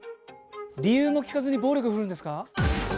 理由も聞かずに暴力振るうんですか？